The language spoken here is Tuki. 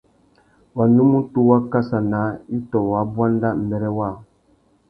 Wanúmútú wá kassa naā itô wa buanda mbêrê waā.